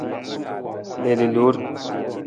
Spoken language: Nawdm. Liili loor.